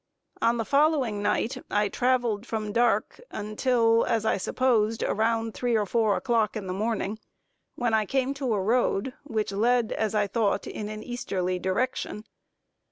On the following night I traveled from dark until, as I supposed, about three or four o'clock in the morning, when I came to a road which led as I thought in an easterly direction.